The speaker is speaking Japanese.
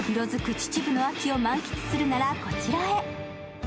秩父の秋を満喫するならこちらへ。